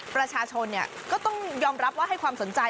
ประชาชนก็ต้องยอมรับว่าให้ความสนใจ